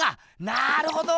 なるほど！